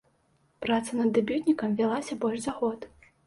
Праца над дэбютнікам вялася больш за год.